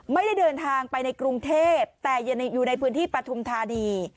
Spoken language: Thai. ไม่ได้เดินทางไปในกรุงเทพแต่อยู่ในพื้นที่ปฐุมธานี